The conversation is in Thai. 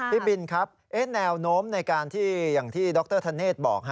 พี่บินครับแนวโน้มในการที่อย่างที่ดรธเนธบอก